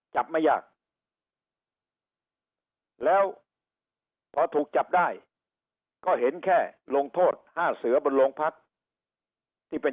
จับไม่ยากแล้วพอถูกจับได้ก็เห็นแค่ลงโทษ๕เสือบนโรงพักที่เป็น